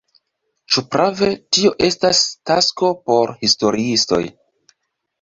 Ĉu prave, tio estas tasko por historiistoj.